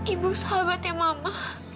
ibu sahabatnya mama